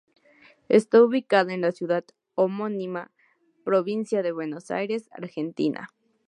Está ubicada en la ciudad homónima, Provincia de Buenos Aires, Argentina.